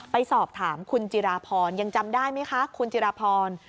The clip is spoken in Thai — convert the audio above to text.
ไปสอบถามคุณจิราพรยังจำได้ไหมคะคุณจิราพร